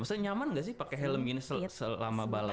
maksudnya nyaman gak sih pake helm gini selama balapan